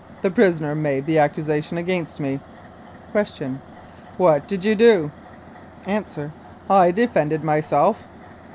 The prisoner made the accusation against me. Q. What did you do? A. I defended myself.